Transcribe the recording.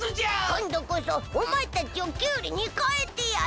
こんどこそおまえたちをきゅうりにかえてやる！